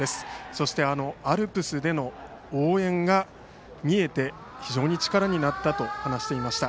そしてアルプスでの応援が見えて非常に力になったと話していました。